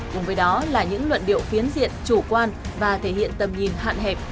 cùng với đó là những luận điệu phiến diện chủ quan và thể hiện tầm nhìn hạn hẹp